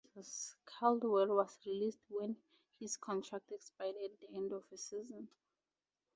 Caldwell was released when his contract expired at the end of the season.